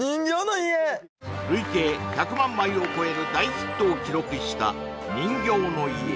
累計１００万枚を超える大ヒットを記録した「人形の家」